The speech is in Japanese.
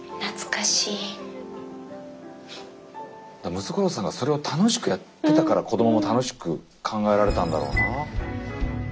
ムツゴロウさんがそれを楽しくやってたから子どもも楽しく考えられたんだろうな。